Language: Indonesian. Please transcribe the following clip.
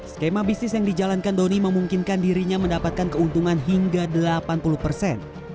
skema bisnis yang dijalankan doni memungkinkan dirinya mendapatkan keuntungan hingga delapan puluh persen